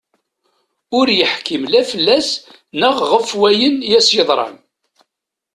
Ur yeḥkim la fell-as neɣ ɣef wayen i as-yeḍran.